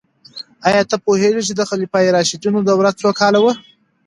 آیا ته پوهیږې چې د خلفای راشدینو دوره څو کاله وه؟